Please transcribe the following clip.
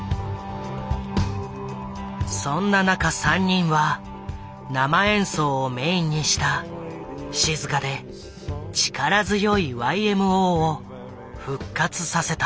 そんな中３人は生演奏をメインにした静かで力強いＹＭＯを復活させた。